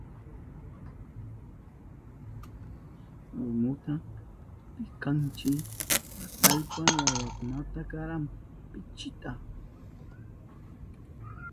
Lumuta pikanchi atallpa wawakunata karananchipa.